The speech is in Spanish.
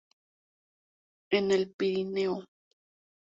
En el Pirineo.